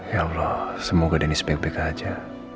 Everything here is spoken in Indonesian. ya allah semoga denise baik baik aja